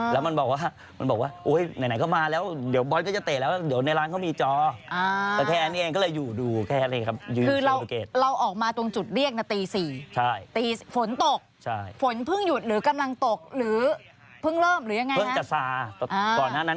ทำงานเสร็จใช่ไหมทำงานเสร็จจะกลับบ้านหรือยังไงฮะ